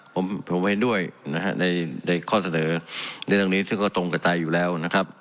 ผมเห็นด้วยในข้อเสนอในตัวนี้ซึ่งก็ตรงกับไทยอยู่แล้ว